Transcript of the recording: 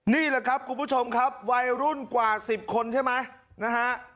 นี่แหละครับคุณผู้ชมครับวัยรุ่นกว่า๑๐คนใช่ไหมนะฮะ